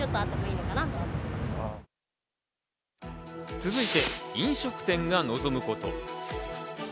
続いて飲食店が望むこと。